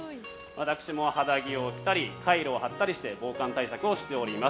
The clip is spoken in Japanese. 私も肌着を着たりカイロを貼ったりして防寒対策をしております。